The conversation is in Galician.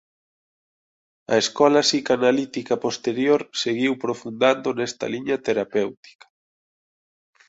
A escola psicanalítica posterior seguiu profundando nesta liña terapéutica.